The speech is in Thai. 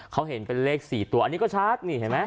เขาเห็นเป็นเลข๔ตัวอันนี้ก็ชัด